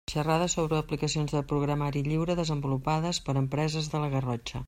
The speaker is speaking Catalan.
Xerrades sobre aplicacions de programari lliure desenvolupades per empreses de la Garrotxa.